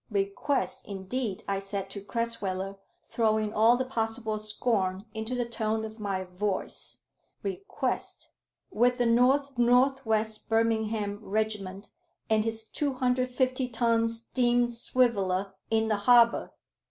"Request indeed," I said to Crasweller, throwing all possible scorn into the tone of my voice, "request! with the North north west Birmingham regiment, and his 250 ton steam swiveller in the harbour!